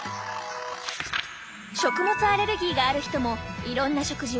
食物アレルギーがある人もいろんな食事を安全に楽しみたい！